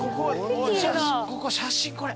ここ写真これ。